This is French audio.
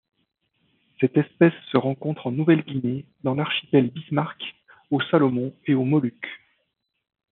Cette espèce se rencontre en Nouvelle-Guinée, dans l'archipel Bismarck, aux Salomon et aux Moluques.